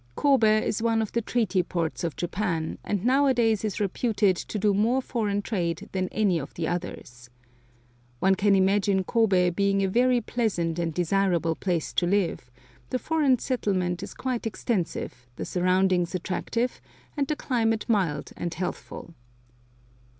Kobe is one of the treaty ports of Japan, and nowadays is reputed to do more foreign trade than any of the others. One can imagine Kobe being a very pleasant and desirable place to live; the foreign settlement is quite extensive, the surroundings attractive, and the climate mild and healthful.